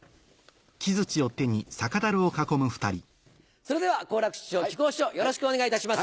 それでは好楽師匠木久扇師匠よろしくお願いいたします。